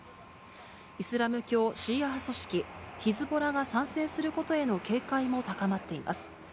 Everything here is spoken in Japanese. イスラム教シーア派組織、ヒズボラが参戦することへの警戒も高まっています。